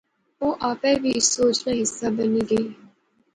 او آپے وی اس سوچ نا حصہ بنی گیا